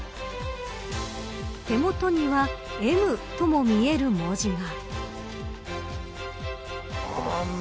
手元にはＭとも見える文字が。